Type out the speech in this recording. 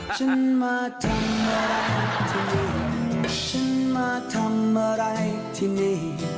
ฉันมาทำหน้าที่ฉันมาทำอะไรที่นี่